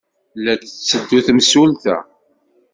La d-tetteddu temsulta!